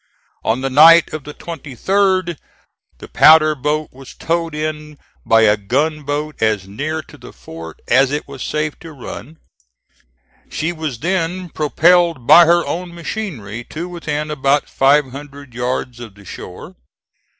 On the night of the 23d the powder boat was towed in by a gunboat as near to the fort as it was safe to run. She was then propelled by her own machinery to within about five hundred yards of the shore.